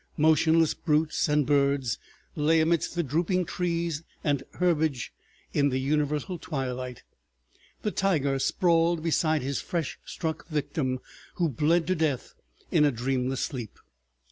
Motionless brutes and birds lay amidst the drooping trees and herbage in the universal twilight, the tiger sprawled beside his fresh struck victim, who bled to death in a dreamless sleep.